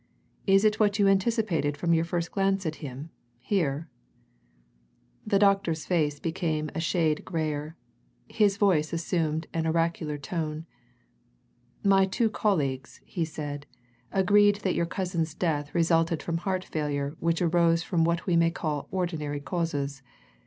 "Is it what you anticipated from your first glance at him here?" The doctor's face became a shade graver; his voice assumed an oracular tone. "My two colleagues," he said, "agreed that your cousin's death resulted from heart failure which arose from what we may call ordinary causes.